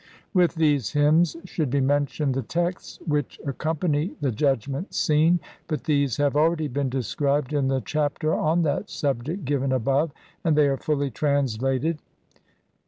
With these hymns should be mentioned the texts which accompany the Judgment Scene, but these have already been described in the chapter on that subject given above, and they are fully translated on pp.